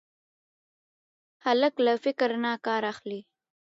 هلک له فکر نه کار اخلي.